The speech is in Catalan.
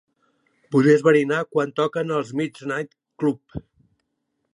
Vull esbrinar quan toquen els Midnight Club.